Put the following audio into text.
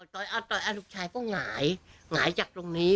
ต่อยลูกชายก็หงายหงายจากตรงนี้